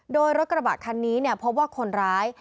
โดยรถกระบะคันนี้พบว่าคนร้าย